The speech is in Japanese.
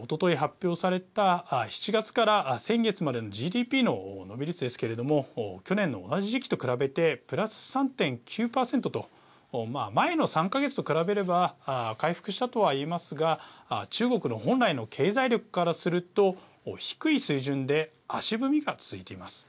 おととい発表された７月から先月までのＧＤＰの伸び率ですけれども去年の同じ時期と比べてプラス３．９％と前の３か月と比べれば回復したとは言えますが中国の本来の経済力からすると低い水準で足踏みが続いています。